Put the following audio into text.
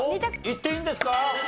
いっていいんですか？